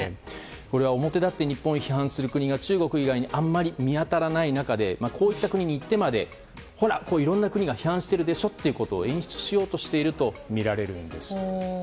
これは表立って日本を非難する国が中国以外にあまり見当たらない中でこういった国に行ってまでほら、いろんな国が批判しているでしょと演出しようとしているとみられるんです。